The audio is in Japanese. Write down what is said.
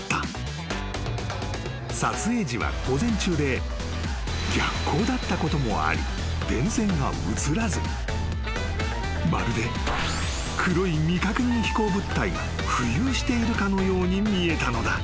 ［撮影時は午前中で逆光だったこともあり電線が写らずまるで黒い未確認飛行物体が浮遊しているかのように見えたのだ］